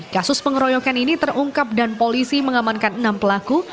kasus pengeroyokan ini terungkap dan polisi mengamankan enam pelaku